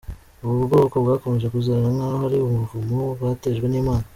Ubu bwoko bwakomeje kuzirana nkaho ari umuvumo batejwe n’Imana.